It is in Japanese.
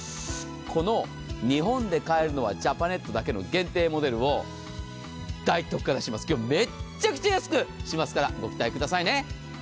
この日本で買えるのはジャパネットだけの限定モデルを今日、めっちゃくちゃ安くしますからご期待くださいね。